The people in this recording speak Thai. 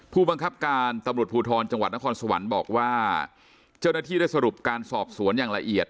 ผู้บังคับการตำรวจภูทรจังหวัดนครสวรรค์บอกว่าเจ้าหน้าที่ได้สรุปการสอบสวนอย่างละเอียด